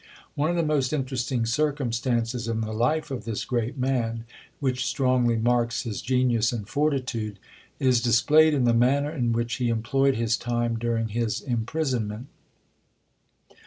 One of the most interesting circumstances in the life of this great man, which strongly marks his genius and fortitude, is displayed in the manner in which he employed his time during his imprisonment.